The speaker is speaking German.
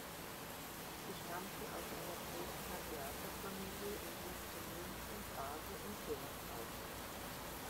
Sie stammte aus einer Dresdner Theaterfamilie und wuchs in München, Basel und Genf auf.